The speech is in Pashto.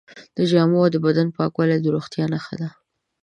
د جامو او بدن پاکوالی د روغتیا نښه ده.